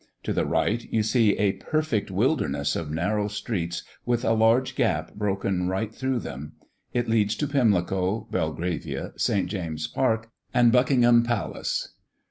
To the right, you see a perfect wilderness of narrow streets with a large gap broken right through them; it leads to Pimlico, Belgravia, St. James's Park, and Buckingham Palace.